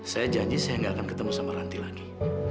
saya janji saya gak akan ketemu sama ranti lagi